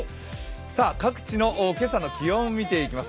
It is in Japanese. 各地の今朝の気温を見ていきます。